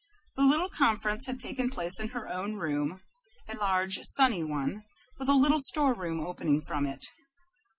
The little conference had taken place in her own room, a large, sunny one, with a little storeroom opening from it.